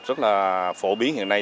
rất là phổ biến hiện nay